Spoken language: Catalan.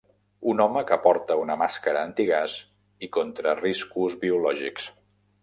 Un home que porta una màscara antigàs i contra riscos biològics